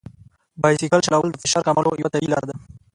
بایسکل چلول د فشار کمولو یوه طبیعي لار ده.